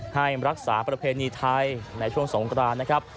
ให้รักษาประเพณีไทยในช่วงสงกรานนะครับ